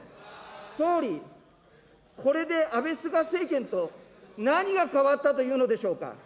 総理、これで安倍・菅政権と何が変わったというのでしょうか。